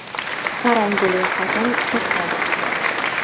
Paranjili xotin to‘xtadi.